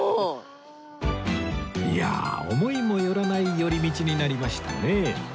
いや思いも寄らない寄り道になりましたね